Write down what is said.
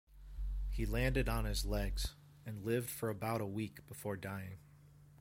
He landed on his legs, and he lived for about a week before dying.